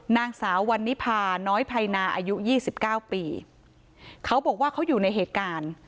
นางสาววันนิพาน้อยไพรนาอายุยี่สิบเก้าปีเขาบอกว่าเขาอยู่ในเหตุการณ์